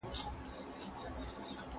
په انګلستان کي کله ناکله داسې پېښېږي.